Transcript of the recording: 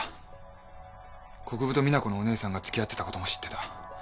国府と実那子のお姉さんがつきあってたことも知ってた。